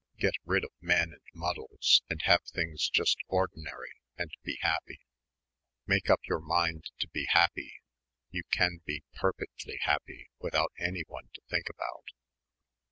Get rid of men and muddles and have things just ordinary and be happy. "Make up your mind to be happy. You can be perfectly happy without anyone to think about...."